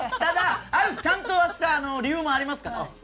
ちゃんとした理由もありますから。